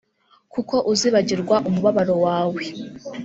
Kuko uzibagirwa umubabaro wawe